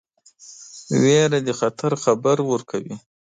ویره د خطر خبر ورکوي.